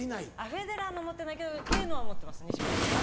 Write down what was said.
フェデラーの持ってないけど圭のは持ってます錦織圭の。